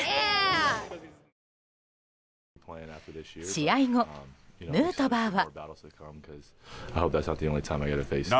試合後、ヌートバーは。